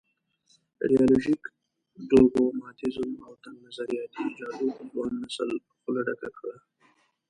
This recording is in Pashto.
ایډیالوژيک ډوګماتېزم او تنګ نظریاتي جادو په ځوان نسل خوله ډکه کړه.